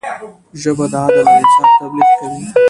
ژبه د عدل او انصاف تبلیغ کوي